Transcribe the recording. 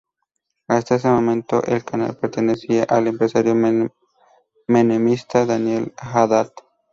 Hasta ese momento el canal pertenecía al empresario menemista Daniel Hadad.